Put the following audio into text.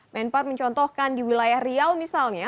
menpar mencontohkan di wilayah riau misalnya